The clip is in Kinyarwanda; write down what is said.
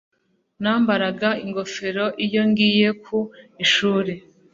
Nambaraga ingofero iyo ngiye ku ishuri